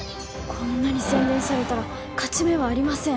こんなに宣伝されたら勝ち目はありません